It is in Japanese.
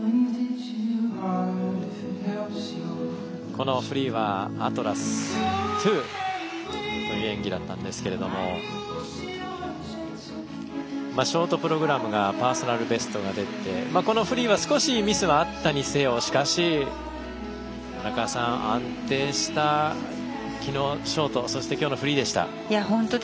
このフリーは「Ａｔｌａｓ：Ｔｗｏ」という演技だったんですがショートプログラムがパーソナルベストが出てこのフリーは少しミスはあったにせよしかし、安定した昨日のショートそして、今日のフリーでした。